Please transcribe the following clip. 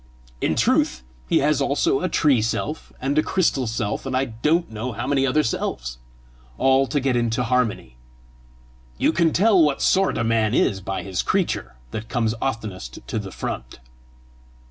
In truth he has also a tree self and a crystal self, and I don't know how many selves more all to get into harmony. You can tell what sort a man is by his creature that comes oftenest to the front."